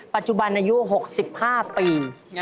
ปัจจุบันอายุ๖๕ปี